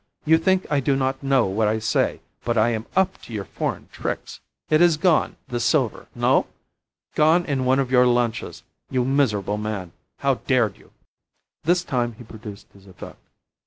you think I do not know what I say; but I am up to your foreign tricks. It is gone, the silver! No? Gone in one of your lanchas, you miserable man! How dared you?" This time he produced his effect.